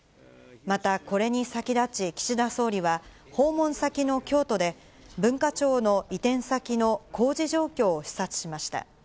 またこれに先立ち、岸田総理は、訪問先の京都で、文化庁の移転先の工事状況を視察しました。